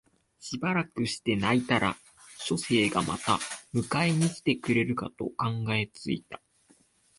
しばらくして泣いたら書生がまた迎えに来てくれるかと考え付いた